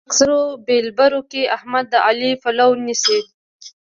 په اکثرو بېلبرو کې احمد د علي پلو نيسي.